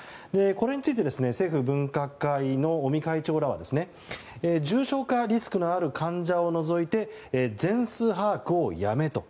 これについて政府分科会の尾身会長らは重症化リスクのある患者を除いて全数把握はやめると。